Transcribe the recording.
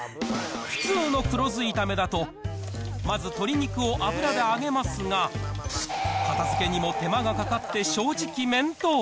普通の黒酢炒めだと、まず鶏肉を油で揚げますが、片づけにも手間がかかって正直、面倒。